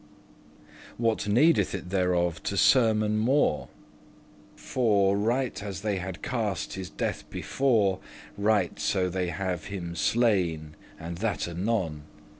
What needeth it thereof to sermon* more? *talk, discourse For, right as they had cast* his death before, *plotted Right so they have him slain, and that anon.